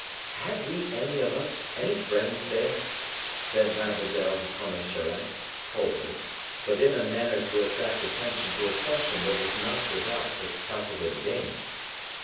"Have we any of us any friends there?" said Mademoiselle de Tonnay Charente, coldly, but in a manner to attract attention to a question that was not without its calculated aim.